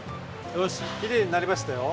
きれいになりましたよ！